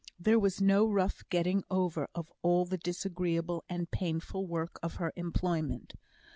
There was no rough getting over of all the disagreeable and painful work of her employment.